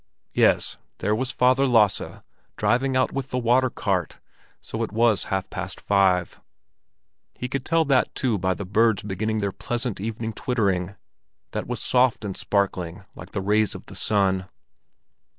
Yes, there was Father Lasse driving out with the water cart, so it was half past five. He could tell that too by the birds beginning their pleasant evening twittering, that was soft and sparkling like the rays of the sun.